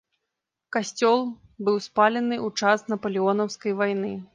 Касцёл быў спалены ў час напалеонаўскай вайны.